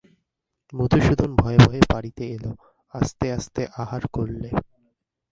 মধুসূদন ভয়ে ভয়ে বাড়িতে এল, আস্তে আস্তে আহার করলে।